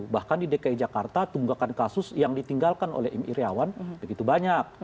bahkan di dki jakarta tunggakan kasus yang ditinggalkan oleh m iryawan begitu banyak